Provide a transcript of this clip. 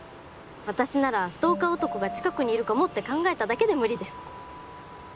私ならストーカー男が近くにいるかもって考えただけで無理です。